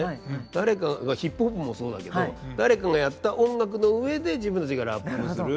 誰かがヒップホップもそうだけど誰かがやった音楽の上で自分たちがラップする。